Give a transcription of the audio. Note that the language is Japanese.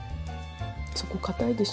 そこ硬いでしょ？